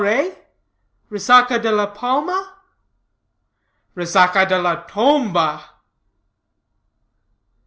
Resaca de la Palma?" "Resaca de la Tomba!"